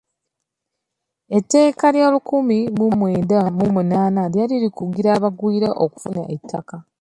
Etteeka lya lukumi mu lwenda mu munaana lyali likugira abagwira okufuna ettaka.